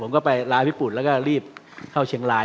ก็ไปลาญี่ปุ่นแล้วก็รีบเข้าเชียงราย